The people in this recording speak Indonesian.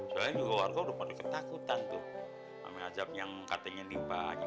jualan juga warga udah pada ketakutan tuh amin ajar yang katanya di bagi muhyiddin gini